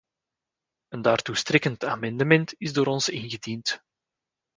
Een daartoe strekkend amendement is door ons ingediend.